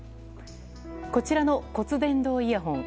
こちらの骨伝導イヤホン。